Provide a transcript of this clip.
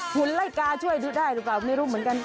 คุณไล่กาช่วยดูได้หรือเปล่าไม่รู้เหมือนกัน